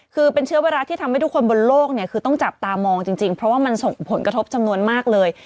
คือเป็นเชื้อไวรัสที่ทำให้ทุกคนบนโลกเนี่ยคือต้องจับตามองจริงเพราะว่ามันส่งผลกระทบจำนวนมากเลย